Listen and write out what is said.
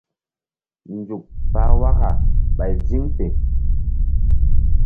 Nzuk pah waka ɓay ziŋ fe.